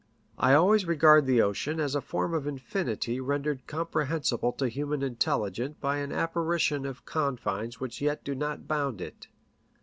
I always regard the ocean as a form of infinity rendered compassahle to human intelligence by an apparition of confines which yet do not bound it.